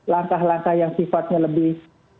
langkah langkah yang sifatnya lebih